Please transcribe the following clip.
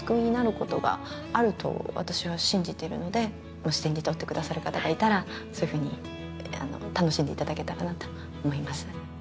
もし手に取ってくださる方がいたら、そういうふうに楽しんでいただけたらなと思います。